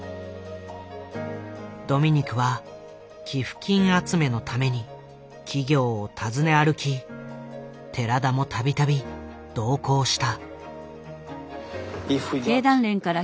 ドミニクは寄付金集めのために企業を訪ね歩き寺田も度々同行した。